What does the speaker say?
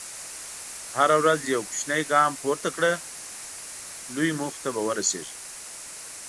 هره ورځ یو کوچنی ګام پورته کړه، لویو موخو ته به ورسېږې.